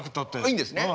いいんですね。